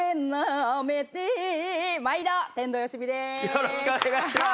よろしくお願いします。